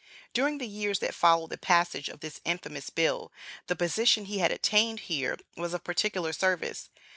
During the years that followed the passage of this infamous bill, the position he had attained here was of particular service.